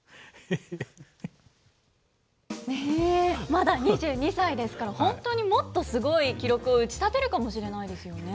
まだ２２歳ですから、本当にもっとすごい記録を打ち立てるかもしれないですよね。